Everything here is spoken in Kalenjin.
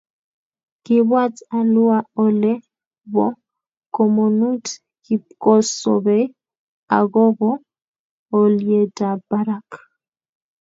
Kiibwat alua Ole bo komonut kipkosobei akobo olyetab barak